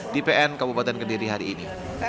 di pn kabupaten kediri hari ini